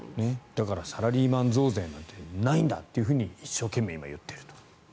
だからサラリーマン増税なんてないんだというふうに一生懸命、今言っていると。